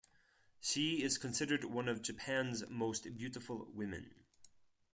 She is considered one of Japan's most beautiful women.